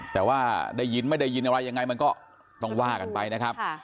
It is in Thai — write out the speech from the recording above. แต่ว่าได้ยินไม่ได้ยินอะไรยังไงมันก็ต้องว่ากันไปนะครับ